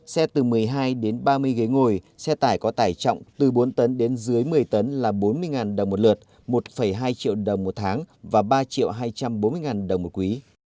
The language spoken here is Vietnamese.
xe từ một mươi hai đến ba mươi ghế ngồi xe tải có tải trọng từ bốn tấn đến dưới một mươi tấn là bốn mươi đồng một lượt một hai triệu đồng một tháng và ba hai trăm bốn mươi đồng một quý